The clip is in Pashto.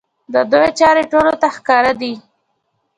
د دوی چارې ټولو ته ښکاره دي.